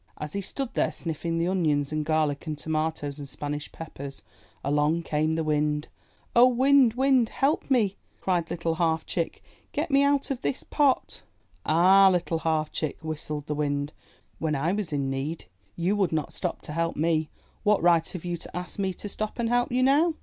As he stood there, sniffing the onions and garlic and tomatoes and Spanish peppers, along came the wind. '^O, Wind, Wind, help me!" cried Little Half Chick. ''Get me out of this pot!" *'Ah, Little Half Chick," whistled the Wind, ''when I was in need, you would not stop to help 3" MY BOOK HOUSE me. What right have you to ask me to stop and help you now?''